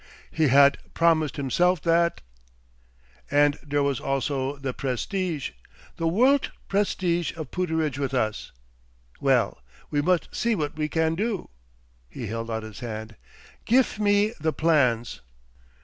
He hadt promised himself that.... "And der was also the prestige the worldt prestige of Pooterage with us.... Well, we must see what we can do." He held out his hand. "Gif me the plans."